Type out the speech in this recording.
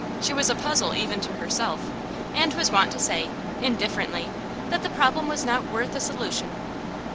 She was a puzzle even to herself, and was wont to say, indifferently, that the problem was not worth a solution.